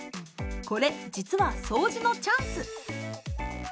これ実は掃除のチャンス！